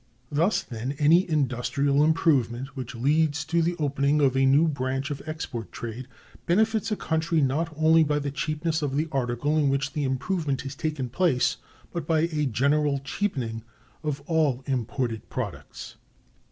Thus, then, any industrial improvement which leads to the opening of a new branch of export trade benefits a country not only by the cheapness of the article in which the improvement has taken place, but by a general cheapening of all imported products.